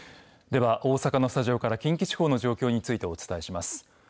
では、大阪のスタジオから近畿地方の状況についてお伝えします。